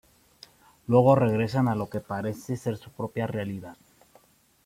Luego regresan a lo que parece ser su propia realidad.